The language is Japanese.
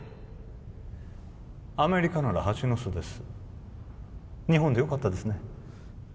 アメリカならハチの巣です日本でよかったですね